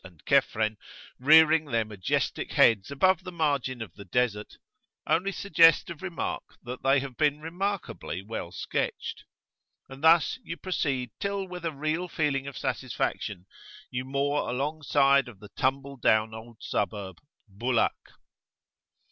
31]and Cephren) "rearing their majestic heads above the margin of the Desert," only suggest of remark that they have been remarkably well sketched; and thus you proceed till with a real feeling of satisfaction you moor alongside of the tumble down old suburb "Bulak."